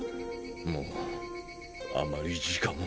もうあんまり時間は。